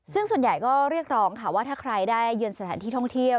ซึ่งส่วนใหญ่ก็เรียกร้องค่ะว่าถ้าใครได้เยือนสถานที่ท่องเที่ยว